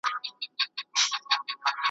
مودې وسوې چا یې مخ نه وو لیدلی ,